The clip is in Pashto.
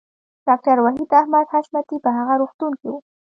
ډاکټر وحید احمد حشمتی په هغه روغتون کې و